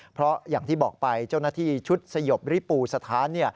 เพราะอย่างที่บอกไปเจ้าหน้าที่ชุดสยบริปูสถาน